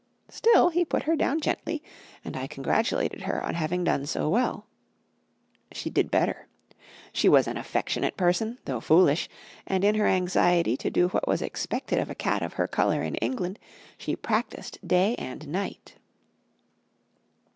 Still he put her down gently, and I congratulated her on having done so well. She did better. She was an affectionate person, though foolish, and in her anxiety to do what was expected of a cat of her colour in England, she practised day and night.